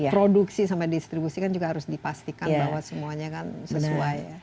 produksi sampai distribusi kan juga harus dipastikan bahwa semuanya kan sesuai ya